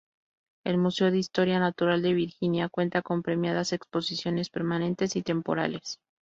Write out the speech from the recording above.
El Museo de Historia Natural de Virginia cuenta con premiadas exposiciones permanentes y temporales.